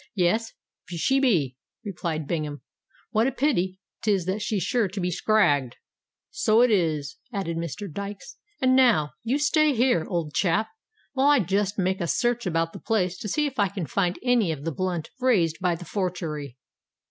"Yes, she be," replied Bingham; "what a pity 'tis that she's sure to be scragged!" "So it is," added Mr. Dykes. "And now, you stay here, old chap—while I just make a search about the place to see if I can find any of the blunt raised by the forgery."